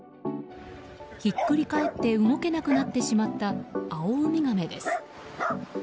ひっくり返って動けなくなってしまったアオウミガメです。